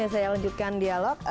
saya lanjutkan dialog